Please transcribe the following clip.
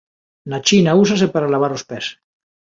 Na China úsase para lavar os pés.